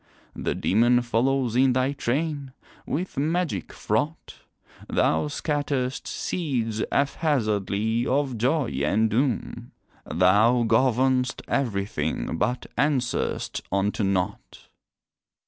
The demon follows in thy train, with magic fraught, Thou scatter'st seeds haphazardly of joy and doom, Thou govern'st everything, but answer'st unto nought.